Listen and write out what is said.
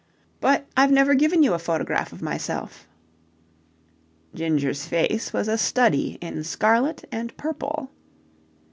"But I've never given you a photograph of myself." Ginger's face was a study in scarlet and purple.